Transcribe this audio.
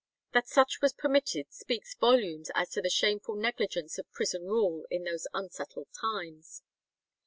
That such was permitted speaks volumes as to the shameful negligence of prison rule in those unsettled times.